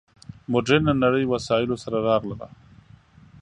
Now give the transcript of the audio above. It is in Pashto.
مډرنه نړۍ وسایلو سره راغله.